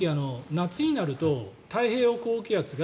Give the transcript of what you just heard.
夏になると太平洋高気圧が